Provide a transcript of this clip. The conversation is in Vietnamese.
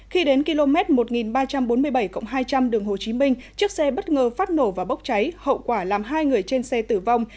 khi đến km một nghìn ba trăm bốn mươi bảy hai trăm linh đường hồ chí minh chiếc xe bất ngờ phát nổ và bốc cháy hậu quả làm hai người trên xe tử vong